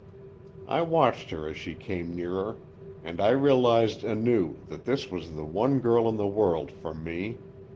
I watched her as she came nearer and I realized anew that this was the one girl in the world for me.